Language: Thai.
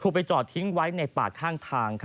คือไปจอดทิ้งไว้ในป่าข้างทาง